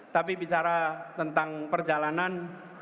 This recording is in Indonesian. tapi bicara tentang perjalanan